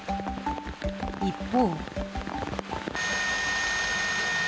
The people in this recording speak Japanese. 一方。